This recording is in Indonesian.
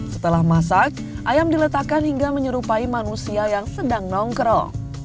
setelah masak ayam diletakkan hingga menyerupai manusia yang sedang nongkrong